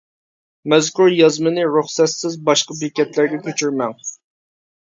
مەزكۇر يازمىنى رۇخسەتسىز باشقا بېكەتلەرگە كۆچۈرمەڭ!